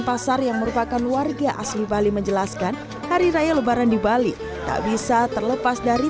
pasar yang merupakan warga asli bali menjelaskan hari raya lebaran di bali tak bisa terlepas dari